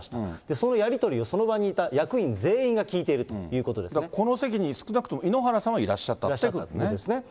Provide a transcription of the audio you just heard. そのやり取りをその場にいた役員全員が聞いているということですんはいらっしゃったということですね。